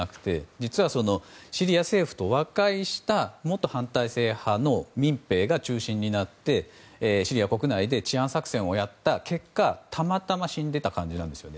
実は、シリア政府と和解した元反体制派の民兵が中心となってシリア国内で治安作戦をやった結果、たまたま死んでいた感じなんですね。